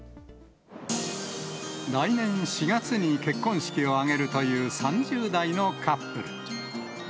来年４月に結婚式を挙げるという、３０代のカップル。